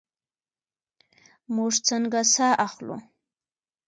موږ څنګه ساه اخلو؟